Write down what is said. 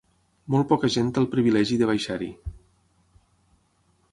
Molt poca gent té el privilegi de baixar-hi.